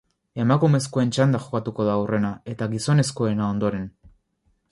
Emakumezkoen txanda jokatuko da aurrena eta gizonezkoena ondoren.